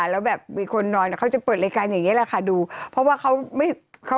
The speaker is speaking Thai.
แล้วถ้าเจอม้าล่ะเถอะ